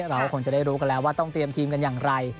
เราก็คงจะได้รู้กันแล้วว่าต้องเตรียมทีมกันอย่างไร